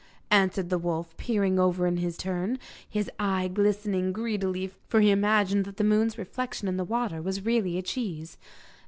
answered the wolf, peering over in his turn, his eyes glistening greedily, for he imagined that the moon's reflection in the water was really a cheese.